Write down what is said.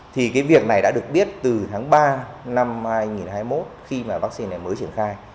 thì cái việc này đã được biết từ tháng ba năm hai nghìn hai mươi một khi mà vaccine này mới triển khai